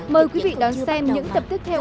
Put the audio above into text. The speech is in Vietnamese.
mời quý vị đón xem những tập tiếp theo